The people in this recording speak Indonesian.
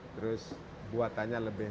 terus buatannya lebih